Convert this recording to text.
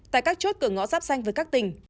tại các chốt cửa ngõ giáp danh với các tỉnh